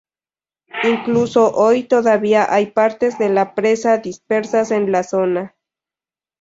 Incluso hoy, todavía hay partes de la presa dispersas en la zona.